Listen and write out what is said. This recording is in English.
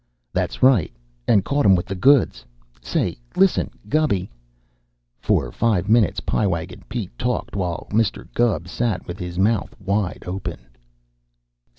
"That's right! And caught him with the goods. Say, listen, Gubby!" For five minutes Pie Wagon Pete talked, while Mr. Gubb sat with his mouth wide open.